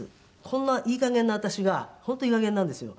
こんないいかげんな私が本当いいかげんなんですよ。